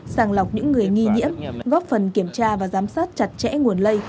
sàng lọc những người nghi nhiễm góp phần kiểm tra và giám sát chặt chẽ nguồn lây